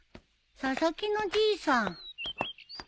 佐々木のじいさん。